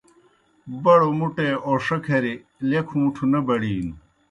بڑوْ مُٹھے اَوݜہ کھری لیکھوْ مُٹھوْ نہ بڑِینوْ۔